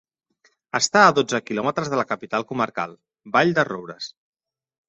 Està a dotze quilòmetres de la capital comarcal, Vall-de-roures.